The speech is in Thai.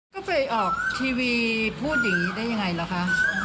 ก็ไปออกทีวีพูดอย่างนี้ได้ยังไงล่ะคะ